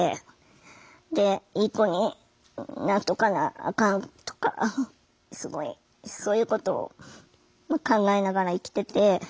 いい子になっとかなあかんとかすごいそういうことを考えながら生きてて。